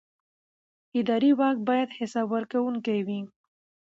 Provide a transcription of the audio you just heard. اداري واک باید حساب ورکوونکی وي.